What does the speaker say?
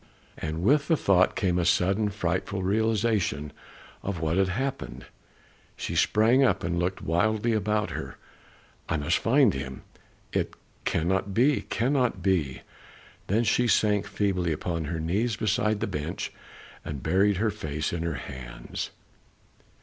And with the thought came a sudden frightful realization of what had happened. She sprang up and looked wildly about her. "I must find him! It cannot, cannot be!" Then she sank feebly upon her knees beside the bench, and buried her face in her hands.